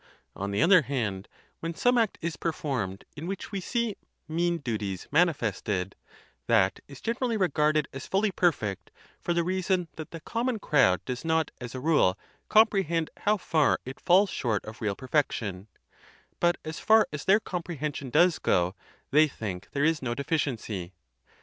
On the other hand, when some act is performed in which we see mean" duties manifested, that is generally regarded as fully perfect, for the reason that the common crowd does not, as a rule, comprehend how far it falls shortof real perfection; but as far as their comprehension does go, they think there is no deficiency.